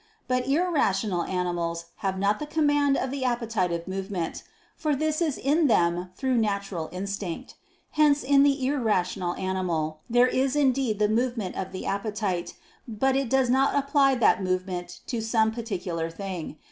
But irrational animals have not the command of the appetitive movement; for this is in them through natural instinct. Hence in the irrational animal, there is indeed the movement of the appetite, but it does not apply that movement to some particular thing.